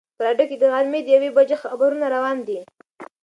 په راډیو کې د غرمې د یوې بجې خبرونه روان دي.